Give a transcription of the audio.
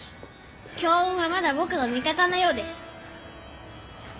強運はまだぼくの「味方」のようです。